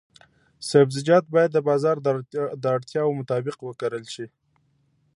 سبزیجات باید د بازار د اړتیاوو مطابق وکرل شي.